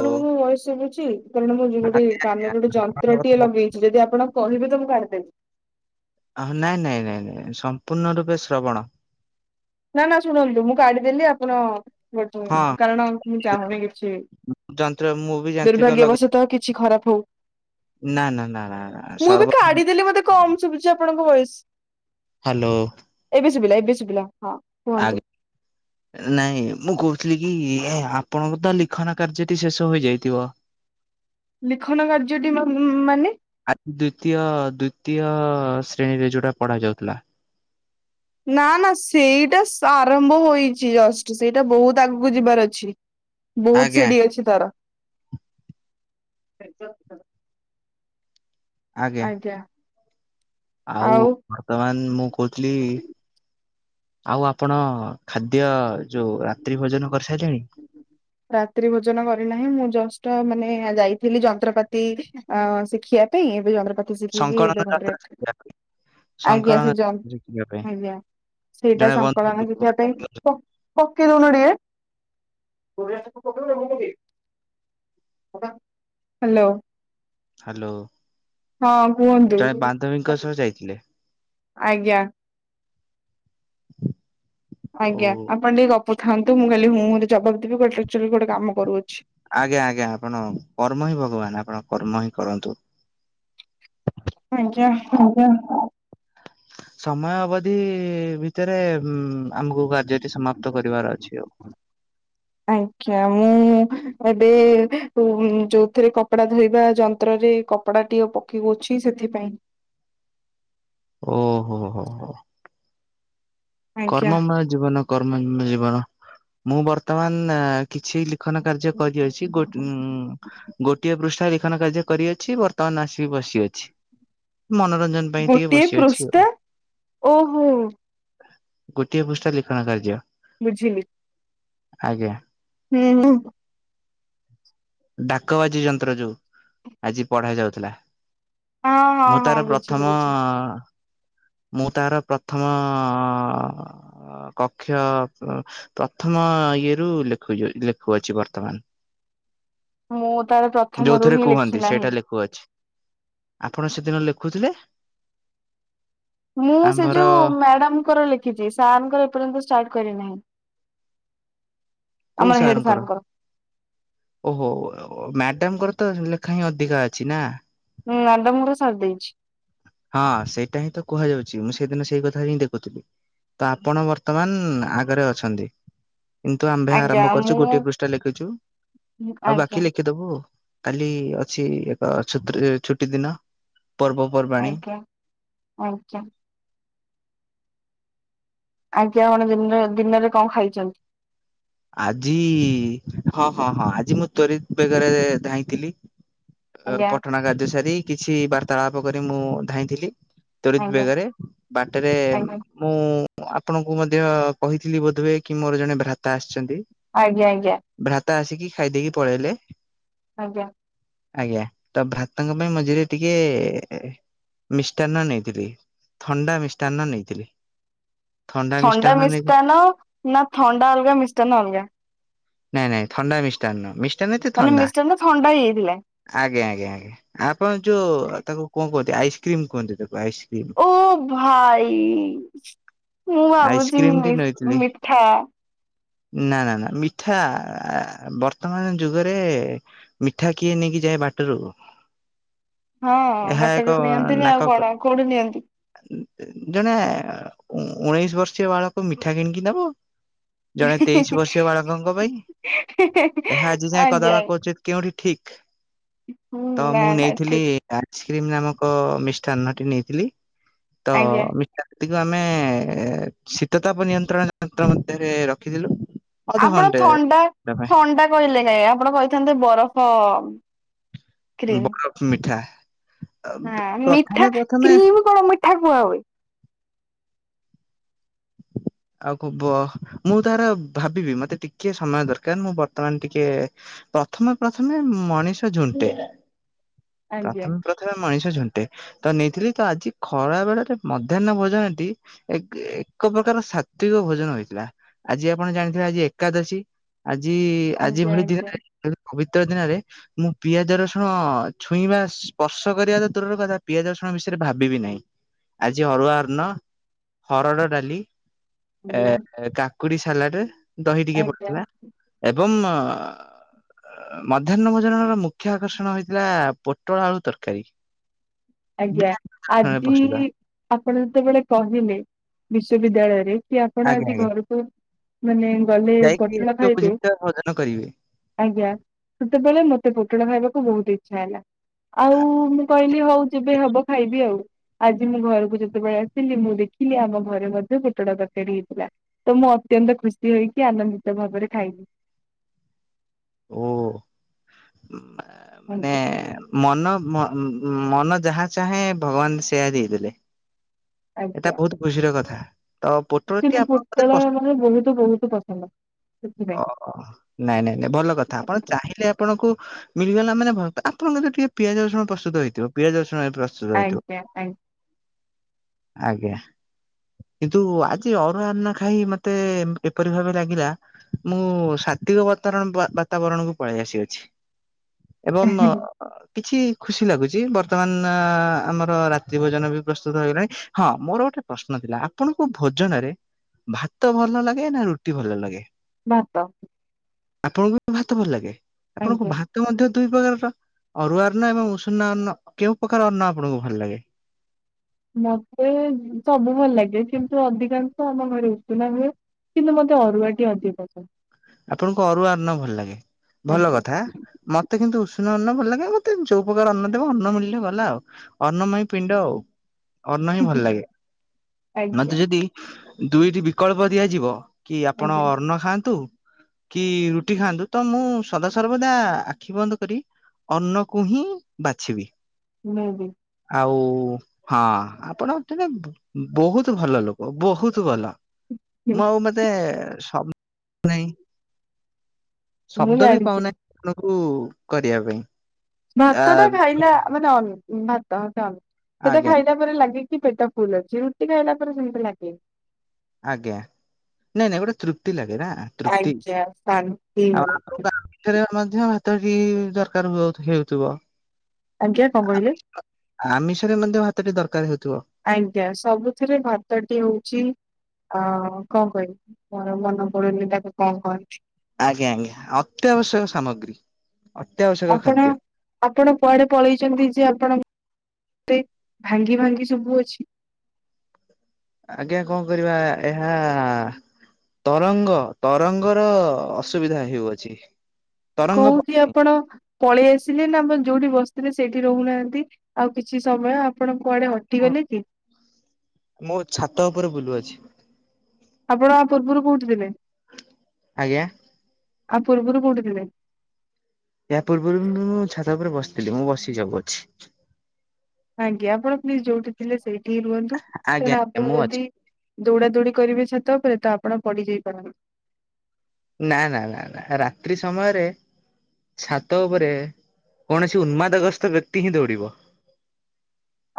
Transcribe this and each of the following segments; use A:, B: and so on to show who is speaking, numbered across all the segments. A: ଓ
B: ମୁ ମୁଁ ମଇ ଶିଭୁଛି କାରଣ ମୁଁ ଯ ଗୋଟେ କାନରେ ଗୋଟେ ଯନ୍ତ୍ର ଟଟିଏ ଲଗେଇ ଯଦି ଆପଣ କହିବେ ତ ମୁଁ କାଢିଦେବି
A: ନାଇଁ ନାଇଁ ନାଇଁ ନାଇଁ ସମ୍ପୂର୍ଣ୍ଣ ରୂପେ ଶ୍ରବଣ
B: ନା ନା ଶୁଣନ୍ତୁ ମୁଁ କାଢିଦେଲି ଆପଣ
A: ହଁ
B: କାରଣ ମୁଁ ଚାହୁଁନି କିଛି
A: ଯନ୍ତ୍ର ମୁଁ ବି ଯାନ୍ତ୍ରିକ ଲଗେଇ
B: ଦୁର୍ଭାଗ୍ୟବଶତଃ କିଛି ଖରାପ ହଉ।
A: ନା ନା ନା ନା ସର୍ବ
B: କମ୍ ଶୁଭୁଛି ଆପଣଙ୍କ ଭଏସ୍।
A: ହାଲୋ।
B: ଏବେ ଶୁଭିଲା ଏବେ ଶୁଭିଲା ହଁ। କୁହନ୍ତୁ
A: ଆଗ୍ ନାଇଁ ମୁଁ କହୁଥିଲି କି ଆପଣଙ୍କ ତ ଲିଖନ କାର୍ଯ୍ୟଟି ଶେଷ ହୋଇଯାଇଥିବ।
B: ଲିଖନ କାର୍ଯ୍ୟଟି ମା-ମା-ମାନେ?
A: ଆଜି ଦୁତୀୟ ଦୁତୀୟ ଶ୍ରେଣୀରେ ଯୋଉଟା ପଢା ଯାଉଥିଲା।
B: ନା ନା ସେଇଟା ଆରମ୍ଭ ହୋଇଛି ଜଷ୍ଟ। ସେଇଟା ବହୁତ ଆଗକୁ ଯିବାର ଅଛି। ବହୁତ
A: ଆଜ୍ଞା
B: ସିଢି ଅଛି ତାର। ଆଜ୍ଞା।
A: ଆଉ ବର୍ତ୍ତମାନ ମୁଁ କହୁଥିଲି ଆଉ ଆପଣ ଖାଦ୍ୟ ଯୋଉ ରାତ୍ରି ଭୋଜନ କରି ସାରିଲେଣି?
B: ରାତ୍ରି ଭୋଜନ କରିନାହିଁ। ମୁଁ ଜଷ୍ଟ ମାନେ ଯାଇଥିଲି ଯନ୍ତ୍ରପାତି ଅ ଶିଖିବା ପାଇଁ ଏବେ ଯନ୍ତ୍ରପାତି ଶିଖିକି
A: ସଂକଳନ
B: ଏବେ ଘରେ
A: ଯାତ୍ରା
B: ଅଛି।
A: ଶିଖିବା ପାଇଁ
B: ଆଜ୍ଞା
A: ସଂକଳନ
B: ସେ ଜ
A: ଶିଖିବା ପାଇଁ
B: ଆଜ୍ଞା ସେଇଟା
A: ଜଣେ ବନ୍ଧୁ
B: ସଂକଳନ ଦେଖିବା ପାଇଁ। ପ ପକେଇ ଦଉନ ଟିକେ। ହ୍ଯାଲୋ।
A: ହ୍ୟାଲୋ।
B: ହଁ କୁହନ୍ତୁ।
A: ପଦବୀଙ୍କ ସହ ଯାଇଥିଲେ।
B: ଆଜ୍ଞା।
A: ଓ
B: ଆଜ୍ଞା ଆପଣ ଟିକେ ଗପୁଥାନ୍ତୁ। ମୁଁ କାଲି ହୁଁ ହୁଁ ରେ ଜବାବ ଦେବି। ବଟ ଆକଚୁଆଳି ଗୋଟେ କାମ କରୁଅଛି।
A: ଆଜ୍ଞା ଆଜ୍ଞା ଆପଣ କର୍ମ ହିଁ ଭଗବାନ। ଆପଣ କର୍ମ ହିଁ କରନ୍ତୁ।
B: ମିଞ୍ଜା।
A: ସମୟ ଅବଧି ଭିତରେ ଉଁ ଆମକୁ କାର୍ଯ୍ୟଟି ସମାପ୍ତ କରିବାର ଅଛି ଆଉ।
B: ଆଜ୍ଞା ମୁଁ ଏବେ ଯୋଉଥିରେ କପଡା ଧରିବା ଯନ୍ତ୍ରରେ କପଡ଼ା ଟିକେ ପକେଇ ଅଛି। ସେଥିପାଇଁ
A: ଓହୋ ହୋ ହୋ।
B: ଆଜ୍ଞା।
A: କର୍ମମୟ ଜୀବନ କର୍ମ ମୟ ଜୀବନ ମୁଁ ବର୍ତ୍ତମାନ କିଛି ଲେଖନ କାର୍ଯ୍ୟ କରିଅଛି। ବଟ ଉ ଗୋଟିଏ ପୃଷ୍ଠା ଲେଖନ କାର୍ଯ୍ୟ କରିଅଛି ବର୍ତ୍ତମାନ ଆସିକି ବସି ଅଛି। ମନୋରଞ୍ଜନ ପାଇଁ ଟିକେ
B: ଗୋଟିଏ
A: ବସିଅଛି ଆଉ
B: ପୃଷ୍ଠା ଓହୋ।
A: ଗୋଟିଏ ପୃଷ୍ଠା ଲିଖନ କାର୍ଯ୍ୟ।
B: ବୁଝିଲି।
A: ଆଜ୍ଞା।
B: ହୁଁ ହୁଁ।
A: ଡାକବାଜି ଯନ୍ତ୍ର ଯୋଉ ଆଜି ପଢା ଯାଉଥିଲା।
B: ହଁ ହଁ
A: ମୁଁ
B: ହଁ
A: ତାର
B: ବୁଝିଲି
A: ପ୍ରଥମ
B: ବୁଝିଲି।
A: ମୁଁ ତାର ପ୍ରଥମ କକ୍ଷ ପ୍ରଥମ ଇଏରୁ ଲେଖୁଛି ଲେଖୁଅଛି ବର୍ତ୍ତମାନ। [inaudible]
B: ମୁଁ ତାର ପ୍ରଥମରୁ ହିଁ ଲେଖି ନାହିଁ।
A: ଖୁ ଅଛି ଆପଣ ସେଦିନ ଲେଖୁଥିଲେ।
B: ମୁଁ ସେ
A: ଆମ୍ଭର
B: ଯୋଉ ମ୍ୟାଡାମଙ୍କର ଲେଖି ଲେଖିଛି ସାର ର୍ଙ୍କର ଏପର୍ଯ୍ୟନ୍ତ ସ୍ଟାଟ କରି ନାହିଁ
A: କୋଉ
B: ଆମର ହେଡ
A: ସାରଙ୍କର
B: ସାରଙ୍କ ର
A: ଓହୋ ମ୍ୟାଡାମଙ୍କର ତ ଲେଖା ହିଁ ଅଧିକା ଅଛି ନା।
B: ହୁଁ ମ୍ୟାଡାମଙ୍କର ସାରିଦେଇଛି।
A: ହଁ ସେଇଟା ହିଁ ତ କୁହାଯାଉଛି ମୁଁ ସେଇଦିନ ସେଇ କଥା ହିଁ ଦେଖୁଥିଲି। ତ ଆପଣ ବର୍ତ୍ତମାନ ଆଗରେ ଅଛନ୍ତି? କିନ୍ତୁ ଆମ୍ଭେ
B: ଆଜ୍ଞା
A: ଆରମ୍ଭ କରିଛୁ
B: ମୁଁ
A: ଗୋଟିଏ ପୃଷ୍ଠା ଲେଖିଛୁ ଆଉ
B: ଆଜ୍ଞା
A: ବାକି ଲେଖିଦବୁ ଆଉ। କାଲି ଅଛି ଏକ ଛୁତ୍ରୀ ଛୁଟି ଦିନ ପର୍ବ
B: ଆଜ୍ଞା ଆଜ୍ଞା। ଆଜ୍ଞା କଣ ଦିନ ଦିନରେ କଣ ଖାଇଛନ୍ତି?
A: ଆଜି ହଁ ହଁ ହଁ ଆଜି ମୁଁ ତ୍ବରିତ ବେଗରେ ଧାଇଁଥିଲି।
B: ଆଜ୍ଞା
A: ପଟଣା କାର୍ଯ୍ୟ ସାରି କିଛି ବାର୍ତ୍ତାଳାପ କରି ମୁଁ ଧାଇଁଥିଲି। ତ୍ବରିତ
B: ଆଜ୍ଞା
A: ବେଗରେ ବାଟରେ
B: ଆଜ୍ଞା
A: ମୁଁ ଆପଣଙ୍କୁ ମଧ୍ୟ କହିଥିଲି ବୋଧହୁଏ କି ମୋର ଜଣେ ଭ୍ରାତା ଆସିଛନ୍ତି।
B: ଆଜ୍ଞା ଆଜ୍ଞା।
A: ଭ୍ରାତା ଆସିକି ଖାଇଦେଇକି ପଳେଇଲେ।
B: ଆଜ୍ଞା।
A: ଆଜ୍ଞା ତ ଭ୍ରାତାଙ୍କ ପାଇଁ ମଝିରେ ଟିକେ ମିଷ୍ଟାନ୍ନ ନେଇଥିଲି ଥଣ୍ଡା ମିଷ୍ଟାନ୍ନ ନେଇଥିଲି।
B: ଥଣ୍ଡା
A: ମିଷ୍ଟାନ୍ନ ନେଇ
B: ମିଷ୍ଟାନ ନା ଥଣ୍ଡା ଅଲଗା ମିଷ୍ଟାନ ଅଲଗା।
A: ନାଇଁ ନାଇଁ ଥଣ୍ଡା ମିଷ୍ଟାନ୍ନ ମିଷ୍ଟାନ୍ ଉଇଥ
B: ମାନେ
A: ଥଣ୍ଡା।
B: ମିଷ୍ଟାନ ଥଣ୍ଡା ହେଇଯାଇଥିଲା।
A: ଆଜ୍ଞା ଆଜ୍ଞା ଆଜ୍ଞା ଆପଣ ଯୋଉ ତାକୁ କଣ କୁହନ୍ତି ଆଇସ୍କ୍ରିମ୍ କୁହନ୍ତି ତାକୁ ଆଇସ୍କ୍ରି
B: ଓ ଭାଇ ମୁଁ ଭାବୁଛି
A: ଆଇସ୍କ୍ରିମ ଟି ନେଇଥିଲି।
B: ମିଠା।
A: ନା ନା ନା ମିଠା ବର୍ତ୍ତମାନ ଯୁଗରେ ମିଠା କିଏ ନେଇକି ଯାଏ ବାଟରୁ।
B: ହଁ
A: ଏହା
B: ବାଟରେ
A: ଏକ
B: ନିଅନ୍ତିନି ଆଉ
A: ନାକକ
B: କଣ କୋଉଠୁ ନିଅନ୍ତି।
A: ଜଣେ ଉଣେଇଶ ବର୍ଷୀୟ ବାଳକ ମିଠା କିଣିକି ନବ। ଜଣେ ତେଇଶି ବର୍ଷୀୟ ବାଳକଙ୍କ ପାଇଁ ଏହା ଆଜି ଯାଏ
B: ଆଜ୍ଞା
A: କଦବା କୋଚିତ୍ କେଉଁଠି ଠିକ
B: ହୁଁ
A: ତ
B: ନା
A: ମୁଁ
B: ନା
A: ନେଇଥିଲି
B: ଠିକ
A: ପାଛ୍ରୀ ନାମକ ମିଷ୍ଟାର୍ନ ଟି ନେଇଥିଲି ତ
B: ଆଜ୍ଞା
A: ମିଠା ତାକୁ ଆମେ ଶୀତ ତାପ ନିୟନ୍ତ୍ରଣ ଯନ୍ତ୍ର ମଧ୍ୟରେ ରଖିଥିଲୁ।
B: ଆପଣ
A: ଅଧଘଣ୍ଟେ
B: ଥଣ୍ଡା
A: ତା ପାଇଁ
B: ଥଣ୍ଡା କହିଲେ କାଇଁ ଆପଣ କହିଥାନ୍ତେ ବରଫ କ୍ରିମ୍।
A: ବରଫ ମିଠା।
B: ହଁ ମିଠା
A: ପ୍ରଥମେ ପ୍ରଥମେ
B: କ୍ରିମ କଣ ମିଠା କୁହା ହୁଏ।
A: [inaudible] ଆଉ କବ ମୁଁ ତାର ଭାବିବି ମତେ ଟିକେ ସମୟ ଦରକାର ମୁଁ ବର୍ତ୍ତମାନ ଟିକେ ପ୍ରଥମେ ପ୍ରଥମେ ମଣିଷ ଝୁଣ୍ଟେ
B: ଆଜ୍ଞା
A: ପ୍ରଥମେ ପ୍ରଥମେ ମଣିଷ ଝୁଣ୍ଟେ। ତ ନେଇଥିଲି ତ ଆଜି ଖରା ବେଳରେ ମଧ୍ୟାହ୍ନ ଭୋଜନଟି ଏକ ଏକ ପ୍ରକାର ସାତ୍ଵିକ ଭୋଜନ ହୋଇଥିଲା ଆଜି ଆପଣ ଜାଣିଥିବେ ଆଜି ଏକାଦଶୀ ଆଜି ଆଜି
B: ଆଜ୍ଞା
A: ଭଳି
B: ଆଜ୍ଞା
A: ଦିନରେ ପବିତ୍ର ଦିନରେ ମୁଁ ପିଆଜ ରସୁଣ ଛୁଇଁବା ସ୍ପର୍ଶ କରିବା ତ ଦୂରର କଥା ପିଆଜ ରସୁଣ ବିଷୟରେ ଭାବିବି ନାହିଁ। ଆଜି ଅରୁଆ ଅର୍ନ ହରଡ ଡାଲି,
B: ଆଜ୍ଞା
A: ଏ କାକୁଡି ସାଲାଟେ ଦହି ଟିକେ
B: ଆଜ୍ଞା
A: ପଡିଥିଲା। ଏବମ୍ ମଧ୍ୟାହ୍ନ ଭୋଜନର ମୁଖ୍ୟ ଆକର୍ଷଣ ହେଇଥିଲା ପୋଟଳ ଆଳୁ ତରକାରୀ।
B: ଆଜ୍ଞା
A: ବିନା
B: ଆଜି
A: ପସେଇବା
B: ଆପଣ ଯେତେବେଳେ କହିଲେ ବିଶ୍ୱବିଦ୍ୟାଳୟରେ କି ଆପଣ
A: ଆଜ୍ଞା
B: ଆଜି
A: ଆଜ୍ଞା
B: ଘରକୁ ମାନେ ଗଲେ
A: ଯାଇକି
B: ପୋଟଳ
A: ସବୁ
B: ଖାଇବେ।
A: ଜିନିଷ ଭୋଜନ କରିବେ
B: ଆଜ୍ଞା। ସେତେବେଳେ ମତେ ପୋଟଳ ଖାଇବାକୁ ବହୁତ ଇଛା ହେଲା। ଆଉ ମୁଁ କହିଲି ହଉ [unintelligible] ଖାଇବି ଆଉ। ଆଜି ମୁଁ ଘରକୁ ଯେତେବେଳେ ଆସିଲି ମୁଁ ଦେଖିଲି ଆମ ଘରେ ମଧ୍ୟ ପୋଟଳ ତରକାରୀ ହେଇଥିଲା। ତ ମୁଁ ଅତ୍ୟନ୍ତ ଖୁସି ହେଇକି ଆନନ୍ଦିତ ଭାବରେ ଖାଇଲିି।
A: ଓ ମାନେ ମନ ମନ ଯାହା ଚାହେଁ ଭଗବାନ ସେୟା ଦେଇଦେଲେ। ଏଟା ବହୁତ ଖୁସିର କଥା। ତ ପୋଟଳଟି
B: ଆଚୁଆଲି
A: ଆପଣ ବୋଧେ
B: ପୋଟଳ
A: ପସ-
B: ମାନେ ବହୁତ ବହୁତ ପସନ୍ଦ ସେଥିପାଇଁ।
A: ଓ ନାଇଁ ନାଇଁ ନାଇଁ ଭଲ କଥା ଆପଣ ଚାହିଁଲେ ଆପଣଙ୍କୁ ମିଳିଗଲା ମାନେ ଭ ଆପଙ୍କର ଟିକେ ପିଆଜରସୁଣ ପ୍ରସ୍ତୁତ ହେଇଥିବ ପିଆଜ ରସୁଣରେ ପ୍ର
B: ଆଜ୍ଞା ଆଜ୍ଞା।
A: ଆଜ୍ଞା। କିନ୍ତୁ ଆଜି ଅରୁଆ ଅର୍ନ ଖାଇ ମତେ ଏପରି ଭାବେ ଲାଗିଲା ମୁଁ ସାତ୍ଵିକ ବାତରଣ ବାତାବରଣକୁ ପଳେଇ ଆସିଅଛି। ଏବଂ ଅ କିଛି ଖୁସି ଲାଗୁଛି ବର୍ତ୍ତମାନ ଆମର ରାତ୍ରି ଭୋଜନ ବି ପ୍ରସ୍ତୁତ ହେଇଗଲାଣି। ହଁ ମୋର ଗୋଟେ ପ୍ରଶ୍ନ ଥିଲା ଆପଣଙ୍କୁ ଭୋଜନ ରେ ଭାତ ଭଲ ଲାଗେ ନା ରୁଟି ଭଲ ଲାଗେ?
B: ଭାତ।
A: ଆପଣଙ୍କୁ ବି ଭାତ ଭଲ ଲାଗେ। ଆପଣଙ୍କୁ
B: ଆଜ୍ଞା।
A: ଭାତ ତ ମଧ୍ୟ ଦୁଇ ପ୍ରକାରର ଅରୁଆ ଅନ୍ନ ଏବଂ ଉଷୁନା ଅନ୍ନ କେଉଁ ପ୍ରକାର ର ଅନ୍ନ ଆପଣଙ୍କୁ ଭଲ ଲାଗେ?
B: ମତେ ସବୁ ଭଲ ଲାଗେ। କିନ୍ତୁ ଅଧିକାଂଶ ଆମ ଘରେ ଉଷୁନା ହୁଏ। କିନ୍ତୁ ମୋତେ ଅରୁଆ ଟି ଅଧିକ ପସନ୍ଦ।
A: ଆପଣଙ୍କୁ ଅରୁଆ ଅନ୍ନ ଭଲ ଲାଗେ ଭଲ
B: ଆଜ୍ଞା।
A: କଥା। ମତେ କିନ୍ତୁ ଉଷୁନା ଅନ୍ନ ଭଲ ଲାଗେ। ମତେ ଯୋଉ ପ୍ରକାର ଅନ୍ନ ଦେବ ଅନ୍ନ ମିଳିଲେ ଗଲା ଆଉ। ଅନ୍ନମଈ ପିଣ୍ଡ ଆଉ। ଅନ୍ନ ହିଁ ଭଲ ଲାଗେ।
B: ଆଜ୍ଞା
A: ମତେ ଯଦି ଦୁଇଟି ବିକଳ୍ପ ଦିଆଯିବ କି ଆପଣ
B: ଆଜ୍ଞା
A: ଅନ୍ନ ଖାଆନ୍ତୁ କି ରୁଟି ଖାଆନ୍ତୁ ତ ମୁଁ ସଦାସର୍ବଦା ଆଖି ବନ୍ଦ କରି ଅନ୍ନକୁ ହିଁ ବାଛିବି।
B: ମୁଁ ବି।
A: ଆଉ ହଁ ଆପଣ ତମେ ବହୁତ ଭଲ ଲୋକ ବହୁତ ଭଲ। [unintelligible]
B: ମୁଁ
A: ଶବ୍ଦ ବି
B: ଜାଣିଛି।
A: ପାଉନାହିଁ ଆଣଙ୍କୁ କରିବା ପାଇଁ। ଆ
B: ଭାତ ଟା ଖାଇଲା ମାନେ ଅ ଭାତ [unintelligible] ସେଇଟା
A: ଆଜ୍ଞା
B: ଖାଇଲା ପରେ ଲାଗେ କି କି ପେଟ ଫୁଲ ଅଛି। ରୁଟି ଖାଇଲା ପରେ ସେମିତି ଲାଗେନି।
A: ଆଜ୍ଞା। ନାଇଁ ନାଇଁ ଗୋଟେ ତୃପ୍ତି ଲାଗେ ନା। ତୃପ୍ତି।
B: ଆଜ୍ଞା ଶାନ୍ତି
A: ଆଉ
B: ମିଳେ
A: ଆପଣଙ୍କୁ ରେ ମଧ୍ୟ ଭାତଟି ଦରକାର ହୁ ହେଉଥିବ।
B: ଆଜ୍ଞା କଁ କଇଁଲେ?
A: ଆମିଷରେ ମଧ୍ୟ ଭାତଟି ଦରକାର ହଉଥିବ?
B: ଆଜ୍ଞା ସବୁଥିରେ ଭାତଟି ହଉଚି ଅଁ କଁ କହିବି ମୋର ମନେ ପଡ଼ୁନି ତାକୁ କଁ କହନ୍ତି।
A: ଆଜ୍ଞା ଆଜ୍ଞା ଅତ୍ୟାବଶ୍ୟକ ସାମଗ୍ରୀ। ଅତ୍ୟାବଶ୍ୟକ
B: ଆପଣ
A: ଖାଦ୍ୟ
B: ଆପଣ କୁଆଡ଼େ ପଳେଇଚନ୍ତିଯେ ଆପଣ ଭାଙ୍ଗି ଭାଙ୍ଗି ଶୁବୁ ଅଛି?
A: ଆଜ୍ଞା କଣ କରିବା ଏହା ତରଙ୍ଗ ତରଙ୍ଗର ଅସୁବିଧା ହେଉଅଛି। ତରଙ୍ଗ
B: କୋଉଠି ଆପଣ ପଳେଇ ଆସିଲେନା ଆପଣ ଯୋଉଠି ବସିଥିଲେ ସେଇଠି ରହୁନାହାନ୍ତି ଆଉ କିଛି ସମୟ ଆପଣଙ୍କ କୁଆଡ଼େ ହଟିଗଲେ କି?
A: ମୁଁ ଛାତ ଉପରେ ବୁଲୁଅଛି।
B: ଆପଣ ୟା ପୂର୍ବରୁ କୋଉଠି ଥିଲେ?
A: ଆଜ୍ଞା?
B: ୟା ପୂର୍ବରୁ କୋଉଠି ଥିଲେ?
A: ଏହା ପୂର୍ବରୁବି ମୁଁ ଛାତ ଉପରେ ବସିଥିଲି ମୁଁ ବସି ଯାଉ ଅଛି।
B: ଆଜ୍ଞା ଆପଣ ପ୍ଲିଜ୍ ଯୋଉଠି ଥିଲେ ସେଇଠିହିଁ ରୁହନ୍ତୁ
A: ଆଜ୍ଞା
B: କାରଣ
A: ଆଜ୍ଞା
B: ଆପଣ
A: ମୁଁ ଅଛି
B: ଯଦି ଦୌଡ଼ା ଦୌଡ଼ି କରିବେ ଛାତ ଉପରେ ତ ଆପଣ ପଡ଼ି ଯାଇପାରନ୍ତି।
A: ନା ନା ନା ନା ରାତ୍ରି ସମୟରେ ଛାତ ଉପରେ କୌଣସି ଉନ୍ମାଦ ଗ୍ରସ୍ତ ବ୍ୟକ୍ତି ହିଁ ଦୌଡ଼ିବ।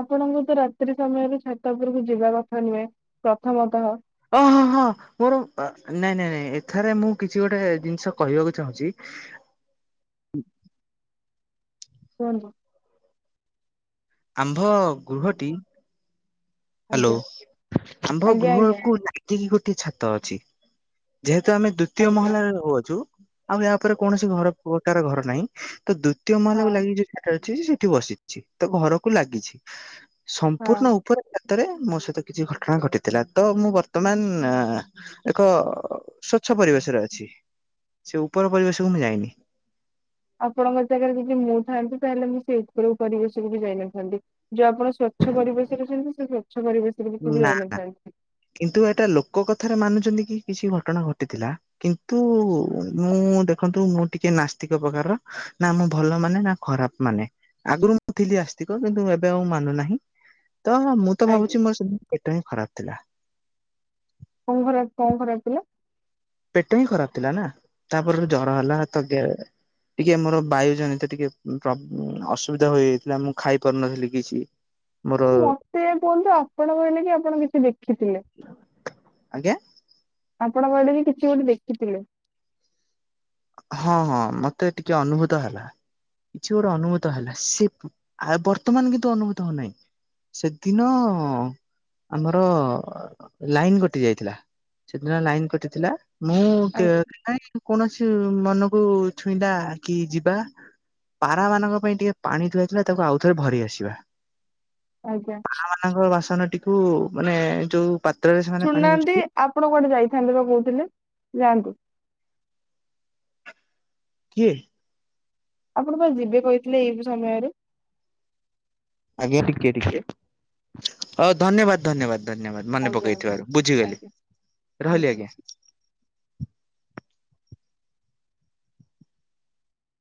B: ଆପଣଙ୍କୁତ ରାତ୍ରି ସମୟରେ ଛାତ ଉପରକୁ ଯିବା କଥା ନୁହେଁ ପ୍ରଥମତଃ
A: ଓଃ ହଁ ହଁ। ମୋର ନାଇଁ ନାଇଁ ନାଇଁ ଏଠାରେ ମୁଁ କିଛି ଗୋଟେ ଜିନିଷ କହିବାକୁ ଚାହୁଁଛି
B: କୁହନ୍ତୁ।
A: ଆମ୍ଭ ଗୃହଟି ହାଲୋ
B: ଆଜ୍ଞା
A: ଆମ୍ଭ
B: ଆଜ୍ଞା ଆଜ୍ଞା
A: ଗୃହକୁ ନା ନାଗିକି ଗୋଟେ ଛାତ ଅଛି ଯେହେତୁ ଆମେ ଦ୍ଵିତୀୟ
B: ଆଜ୍ଞା
A: ମହଲାରେ ରହୁଅଛୁ ଆଉ ଏହାପରେ କୌଣସି ଘର ପ୍ରକାର ଘର ନାହିଁ ତ ଦ୍ଵିତୀୟ ମାହଲାକୁ
B: ହଁ
A: ଲାଗି ଯଉ ଛାତଟା ଅଛି ସେଠି ବସି ଚି ତଘରକୁ ଲାଗିଚି
B: ହଁ।
A: ସମ୍ପୂର୍ଣ୍ଣ ଉପରେ ଏଥରେ ମୋ ସହିତ କିଛି ଘଟଣା ଘଟିଥିଲା ତ ମୁଁ ବର୍ତ୍ତମାନ ଏକ ସ୍ଵଚ୍ଛ ପରିବେଶରେ ଅଛି ସେଉପର ପରିବେଶକୁ ମୁଁ ଯାଇନି।
B: ଆପଣଙ୍କ ଜାଗାରେ ଯଦି ମୁଁ ଥାଆନ୍ତି ତାହେଲେ ମୁଁ ସେଇ ଉପର ପରିବେଶକୁବି ଯାଇନଥାନ୍ତି। ଯୋଉ ଆପଣ ସ୍ଵଚ୍ଛ ପରିବେଶରେ ଅଛନ୍ତି ସେ ସ୍ଵଚ୍ଛ ପରିବେଶ
A: ନା ନା କିନ୍ତୁ ଏଟା ଲୋକ କଥାରେ ମାନୁଚନ୍ତିକି କିଛି ଘଟଣା ଘଟିଥିଲା। କିନ୍ତୁ ମୁଁ ଦେଖନ୍ତୁ ମୁଁ ଟିକେ ନାସ୍ତିକ ପ୍ରକାରର ନା ମୁଁ ଭଲ ମାନେ ନା ଖରାପ୍ ମାନେ ଆଗରୁ ମୁଁ ଥିଲି ଆସ୍ତିକ କିନ୍ତୁ ଏବେ ଆଉ ମାନୁନାହିଁ ତ ମୁଁ ତ
B: ଆଜ୍ଞା
A: ଭାବୁଚି ମୋରସେ ପେଟହିଁ ଖରାପ୍ ଥିଲା।
B: କଁ ଘରେ କଁ ଖରାପ୍ ଥିଲା?
A: ପେଟହିଁ ଖରାପ୍ ଥିଲାନା ତାପରେ ଜର ହେଲା ତଗ ଟିକେ ମର ବାୟୁ ଜନିତ ଟିକେ ପ୍ର ଅସୁବିଧା ହୋଇଯାଇଥିଲା ମୁଁ ଖାଇ ପାରୁନଥିଲି କିଛି। [inaudible]
B: ମତେ କୁହନ୍ତୁ ଆପଣ କହିଲେକି ଆପଣ କିଛି ଦେଖିଥିଲେ?
A: ଆଜ୍ଞା
B: ଆପଣ ବାଡ଼ିରେ କିଛି ଗୋଟେ ଦେଖିଥିଲେ?
A: ହଁ ହଁ ମତେ ଟିକେ ଅନୁଭୂତ ହେଲା। କିଛି ଗୋଟେ ଅନୁଭୂତ ହେଲା ସେ ଆ ବର୍ତ୍ତମାନ କିନ୍ତୁ ଅନୁଭୂତ ହଉନାହିଁ। ସେଦିନ ଆମର ଲାଇନ କଟି ଯାଇଥିଲା। ସେଦିନ ଲାଇନ କଟିଥିଲା ମୁଁ କେ
B: ଆଜ୍ଞା
A: କୌଣସି ହେଟୁ ମନକୁ ଛୁଇଁଲା କି ଯିବା। ପାରା ମାନଙ୍କ ପାଇଁ ଟିକେ ପାଣି ଧୁଆଇଥିଲା ତାକୁ ଆଉଥରେ ଭରି ଆସିବା।
B: ଆଜ୍ଞା।
A: ପାରା ମାନଙ୍କ ବାସନଟିକୁୁ ମାନେ ଯୋଉ ପାତ୍ର
B: ଶୁଣୁନାହାନ୍ତି ଆପଣ କୁଆଡେ ଯାଇଥାନ୍ତେ ବା କହୁଥିଲେ ଯାଆନ୍ତୁ।
A: କିଏ?
B: ଆପଣ କୁଆଡେ ଯିବେ କହିଥିଲେ ଏଇ ସମୟରେ।
A: ଆଜ୍ଞା ଟିକେ ଟିକେ ହଁ ଧନ୍ୟବାଦ ଧନ୍ୟବାଦ ଧନ୍ୟବାଦ। ମନେ
B: ଆଜ୍ଞା
A: ପକେଇଥିବାରୁ ବୁଝିଗଲି
B: ଆଜ୍ଞା
A: ରହିଲି ଆଜ୍ଞା।